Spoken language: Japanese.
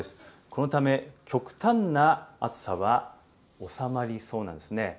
このため、極端な暑さは収まりそうなんですね。